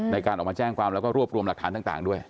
ในการออกมาแจ้งความแล้วก็รวบรวมหลักฐานต่างด้วย